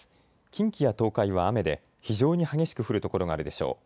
近畿や東海は雨で非常に激しく降る所があるでしょう。